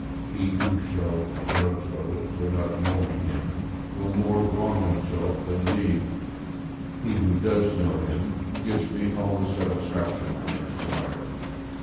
He who shall judge of it without knowing him, will more wrong himself than me; he who does know him, gives me all the satisfaction I desire.